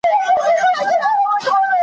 مګر، پرته له هیڅ ډول مبالغې .